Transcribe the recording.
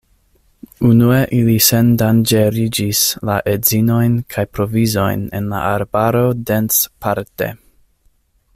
Unue, ili sendanĝeriĝis la edzinojn kaj provizojn en la arbaro densparte.